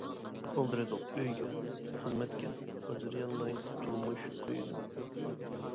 ئالدىرىدۇق ئۆيگە، خىزمەتكە، ئاجرىيالماي تۇرمۇش كويىدىن.